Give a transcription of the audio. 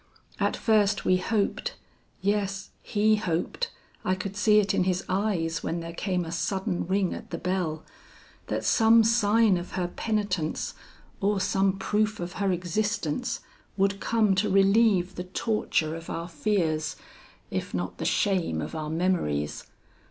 At first we hoped, yes, he hoped, I could see it in his eyes when there came a sudden ring at the bell, that some sign of her penitence, or some proof of her existence, would come to relieve the torture of our fears, if not the shame of our memories.